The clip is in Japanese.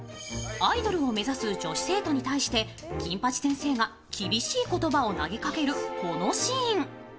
アイドルを目指す女子生徒に対して、金八先生が厳しい言葉を投げかける、このシーン。